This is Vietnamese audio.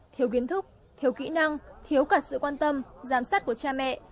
thiếu kiến thức thiếu kỹ năng thiếu cả sự quan tâm giám sát của cha mẹ